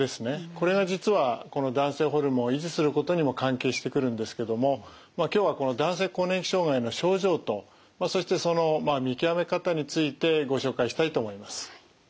これが実はこの男性ホルモンを維持することにも関係してくるんですけども今日はこの男性更年期障害の症状とそしてその見極め方についてご紹介したいと思います。